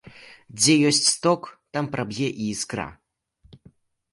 Дзе ёсць ток, там праб'е і іскра.